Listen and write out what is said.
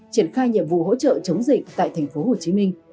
triển khai nhiệm vụ hỗ trợ chống dịch tại thành phố hồ chí minh